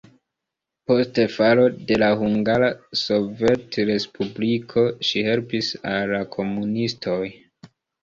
Post falo de la hungara sovetrespubliko ŝi helpis al la komunistoj.